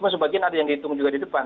sebagian ada yang dihitung juga di depan